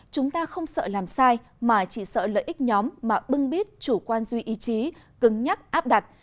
chúng ta không sợ làm sai mà chỉ sợ lợi ích nhóm mà bưng bít chủ quan duy ý chí cứng nhắc áp đặt